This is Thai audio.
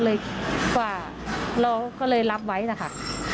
กว่าเราก็เลยรับไว้นะคะ